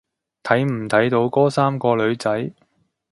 睇唔睇到嗰三個女仔？